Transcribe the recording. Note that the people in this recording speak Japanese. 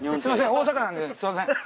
大阪なんですいません。